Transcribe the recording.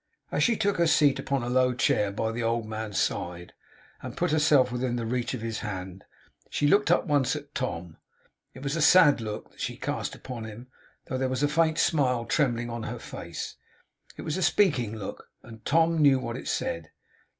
As she took her seat upon a low chair by the old man's side, and put herself within the reach of his hand, she looked up once at Tom. It was a sad look that she cast upon him, though there was a faint smile trembling on her face. It was a speaking look, and Tom knew what it said.